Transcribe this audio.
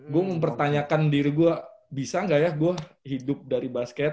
gue mempertanyakan diri gue bisa gak ya gue hidup dari basket